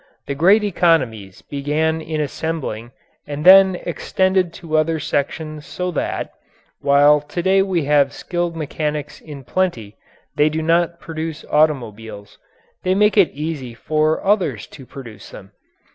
The great economies began in assembling and then extended to other sections so that, while to day we have skilled mechanics in plenty, they do not produce automobiles they make it easy for others to produce them.